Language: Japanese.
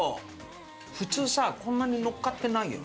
普通さこんなにのっかってないよね。